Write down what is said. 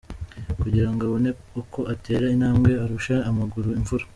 kugirango abone uko atera intambwe arushe amaguru imvura.